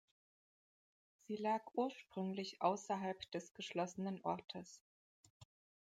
Sie lag ursprünglich außerhalb des geschlossenen Ortes.